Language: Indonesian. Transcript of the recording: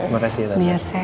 makasih ya tante